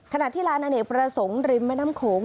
ขณะที่ลานอเนกประสงค์ริมแม่น้ำโขง